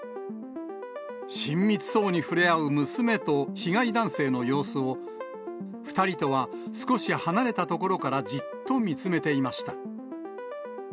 親密そうに触れ合う娘と被害男性の様子を、２人とは少し離れた所からじっと見つめていました。